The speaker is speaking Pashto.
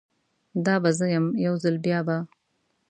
دا به زه یم، یو ځل بیا به